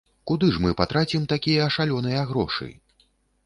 Куды ж мы патрацім такія шалёныя грошы?